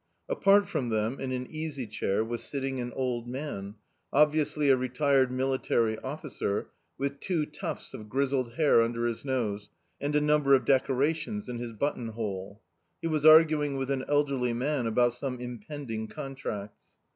Apart from them in an easy chair was sitting an old man, obviously a retired military officer, with two tufts of grizzled hair under his nose and a number of decorations in his button hole. He was arguing with an elderly man about some impending contracts.